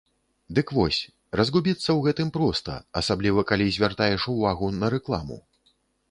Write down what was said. Дык вось, разгубіцца ў гэтым проста, асабліва калі звяртаеш увагу на рэкламу.